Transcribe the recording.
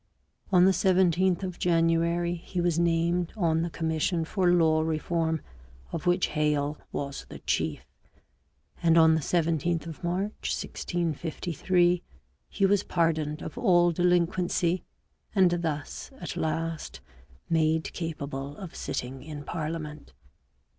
On the 17th of January he was named on the commission for law reform, of which Hale was the chief; and on the 17th of March 1653, he was pardoned of all delinquency and thus at last made capable of sitting in parliament.